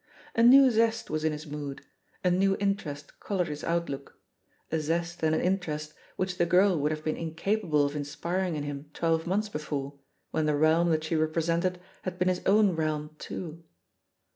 A new zest was in his mood, a new in terest coloured his outlook — a zest and an inter est which the girl would have been incapable of inspiring in him twelve months before, when the realm that she represented had been his own realm too.